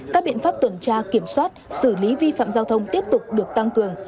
các biện pháp tuần tra kiểm soát xử lý vi phạm giao thông tiếp tục được tăng cường